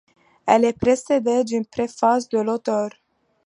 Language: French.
Elle est précédée d'une préface de l'auteur.